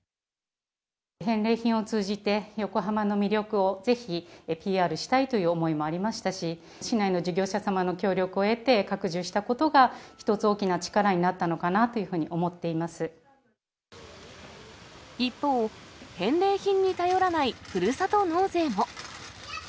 返礼品を通じて、横浜の魅力をぜひ、ＰＲしたいという思いもありましたし、市内の事業者様の協力を得て、拡充したことが一つ大きな力になったのかというふうに思っていま一方、返礼品に頼らないふるさと納税も。